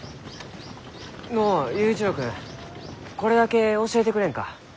のう佑一郎君これだけ教えてくれんか？